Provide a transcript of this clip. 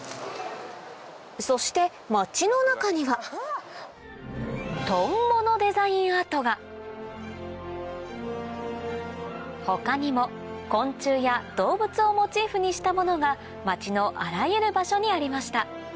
そして街の中にはトンボのデザインアートが他にも昆虫や動物をモチーフにしたものが街のあらゆる場所にありました